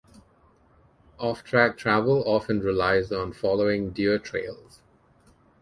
Off-track travel often relies on following deer trails.